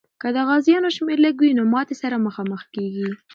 که د غازیانو شمېر لږ وي، نو ماتي سره مخامخ کېږي.